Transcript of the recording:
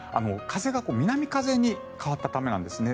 風が南風に変わったためなんですね。